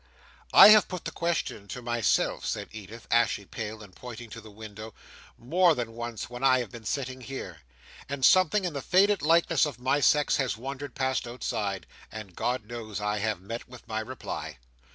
"I have put the question to myself," said Edith, ashy pale, and pointing to the window, "more than once when I have been sitting there, and something in the faded likeness of my sex has wandered past outside; and God knows I have met with my reply.